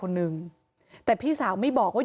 มีเรื่องอะไรมาคุยกันรับได้ทุกอย่าง